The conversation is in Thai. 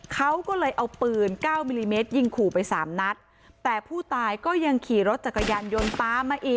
เขาก็เลยเอาปืนเก้ามิลลิเมตรยิงขู่ไปสามนัดแต่ผู้ตายก็ยังขี่รถจักรยานยนต์ตามมาอีก